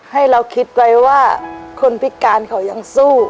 ให้เราคิดไว้ว่าคนพิการเขายังสู้